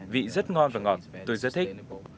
vị rất ngon và ngọt tôi rất thích